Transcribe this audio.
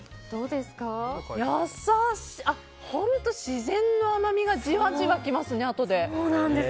自然の甘みがじわじわ来ますね、あとで。